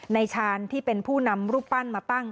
ชาญที่เป็นผู้นำรูปปั้นมาตั้ง